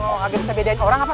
mau agak bisa bedain orang apa